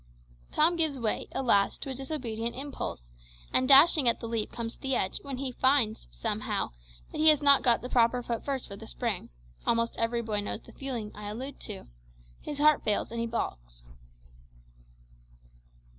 Tom gives way, alas! to a disobedient impulse, and dashing at the leap comes to the edge, when he finds, somehow, that he has not got the proper foot first for the spring almost every boy knows the feeling I allude to; his heart fails, and he balks.